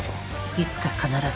いつか必ず。